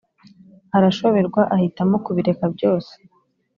arashoberwa ahitamo kubireka byose.